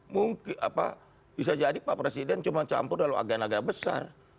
mungkin apa bisa jadi pak presiden cuma campur dalam agen agen besar